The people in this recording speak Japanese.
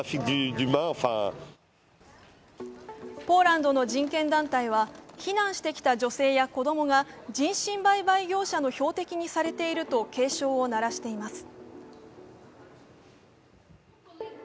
ポーランドの人権団体は避難してきた女性や子供が人身売買業者の標的にされていると警鐘を鳴らしています。